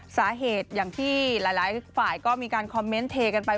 สาเหตุอย่างที่หลายฝ่ายก็มีการคอมเมนต์เทกันไป